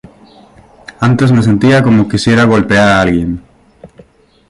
Antes me sentía como si quisiera golpear a alguien.